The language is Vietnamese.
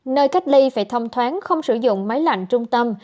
nơi cách ly phải thông thoáng không sử dụng máy lạnh trung tâm